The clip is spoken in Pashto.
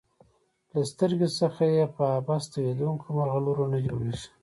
له سترګو څخه یې په عبث تویېدونکو مرغلرو نه جوړیږي.